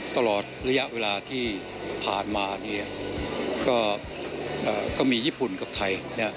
ตลอดระยะเวลาที่ผ่านมาก็มีญี่ปุ่นกับไทย